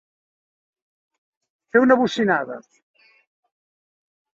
Fer una bocinada.